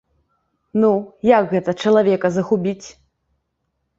Ну, як гэта чалавека загубіць?